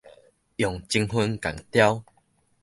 用情份共人刁